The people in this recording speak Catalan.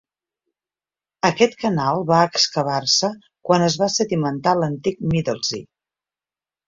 Aquest canal va excavar-se quan es va sedimentar l'antic Middelzee.